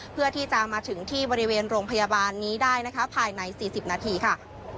เพื่อที่จะมาถึงที่บริเวณโรงพยาบาลนี้ได้นะคะภายใน๔๐นาทีค่ะ